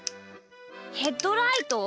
ヘッドライト？